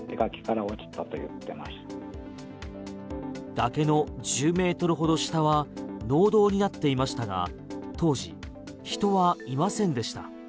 崖の１０ｍほど下は農道になっていましたが当時、人はいませんでした。